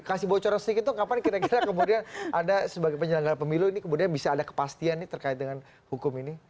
kasih bocoran sedikit tuh kapan kira kira kemudian anda sebagai penyelenggara pemilu ini kemudian bisa ada kepastian nih terkait dengan hukum ini